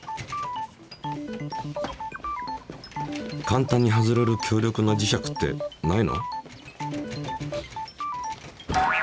簡単に外れる強力な磁石ってないの？